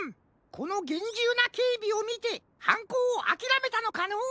このげんじゅうなけいびをみてはんこうをあきらめたのかのう？